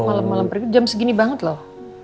kok malem malem periksa jam segini banget loh